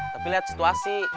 tapi lihat situasi